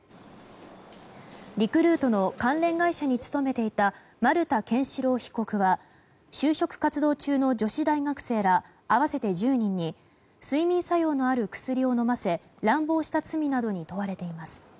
リクルートの関連会社に勤めていた丸田憲司朗被告は就職活動中の女子大学生ら合わせて１０人に睡眠作用のある薬を飲ませ乱暴した罪などに問われています。